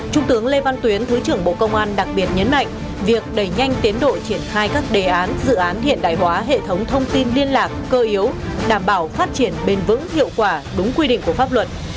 trung tướng lê văn tuyến thứ trưởng bộ công an đặc biệt nhấn mạnh việc đẩy nhanh tiến đội triển khai các đề án dự án hiện đại hóa hệ thống thông tin liên lạc cơ yếu đảm bảo phát triển bền vững hiệu quả đúng quy định của pháp luật